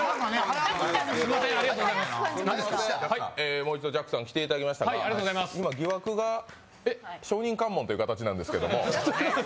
もう一度、弱さんに来ていただきましたが今疑惑が証人喚問という形なんですけれども。